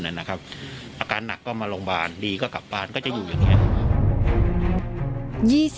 อาการหนักก็มาโรงพยาบาลดีก็กลับบ้านก็จะอยู่อย่างนี้